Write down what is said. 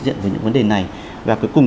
diện với những vấn đề này và cuối cùng